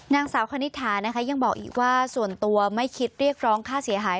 นางสาวคณิตหานะคะยังบอกอีกว่าส่วนตัวไม่คิดเรียกร้องค่าเสียหาย